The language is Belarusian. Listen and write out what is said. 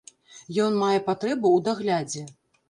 Ён мае патрэбу ў даглядзе.